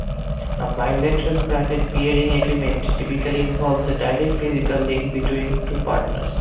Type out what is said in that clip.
A bilateral private peering agreement typically involves a direct physical link between two partners.